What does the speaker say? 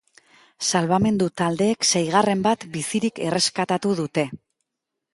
Salbamendu taldeek seigarren bat bizirik erreskatatu dute.